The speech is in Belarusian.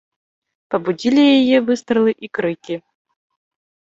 Пабудзілі яе выстралы і крыкі.